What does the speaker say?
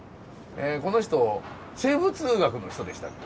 この人生物学の人でしたっけ。